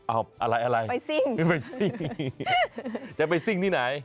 อะไรไปซิ่งจะไปซิ่งที่ไหน